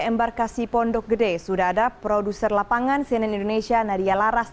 embarkasi pondok gede sudah ada produser lapangan cnn indonesia nadia laras